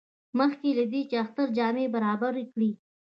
مخکې له دې چې د اختر جامې برابرې کړي.